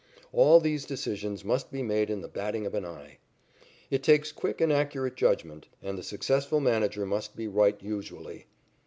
All these decisions must be made in the "batting" of an eye. It takes quick and accurate judgment, and the successful manager must be right usually.